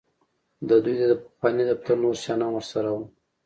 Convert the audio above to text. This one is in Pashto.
د دوی د پخواني دفتر نور شیان هم ورسره وو